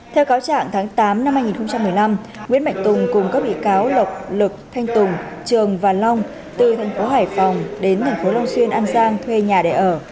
theo cáo trạng tháng tám năm hai nghìn một mươi năm nguyễn mạnh tùng cùng các bị cáo lộc lực thanh tùng trường và long từ tp hải phòng đến tp long xuyên an giang thuê nhà để ở